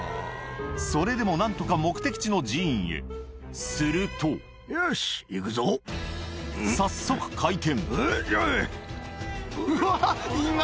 それでも何とか目的地の寺院へすると早速回転うわ！